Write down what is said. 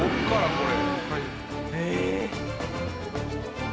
これ。